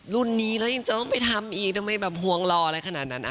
รุ่นนี้แล้วยังจะต้องไปทำอีกทำไมแบบห่วงรออะไรขนาดนั้น